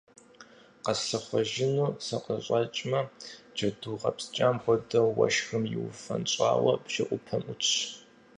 Къэслъыхъуэжыну сыкъыщӀэкӀмэ – джэду гъэпскӀам хуэдэу уэшхым иуфэнщӀауэ бжэӀупэм Ӏутщ.